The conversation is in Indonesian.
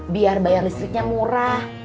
biar bayar listriknya murah